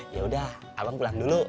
yaudah abang pulang dulu